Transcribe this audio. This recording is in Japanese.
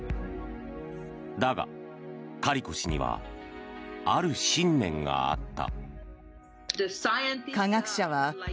だが、カリコ氏にはある信念があった。